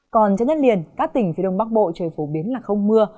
còn chắc nhất liền các tỉnh phía đông bắc bộ trời phổ biến là không mưa